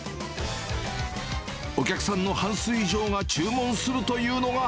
お客さんの半数以上が注文するというのが。